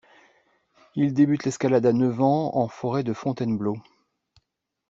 Il débute l'escalade à neuf ans en forêt de Fontainebleau.